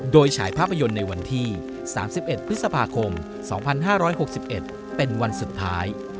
โดยฉายภาพยนตร์ในวันที่๓๑พฤษภาคม๒๕๖๑เป็นวันสุดท้าย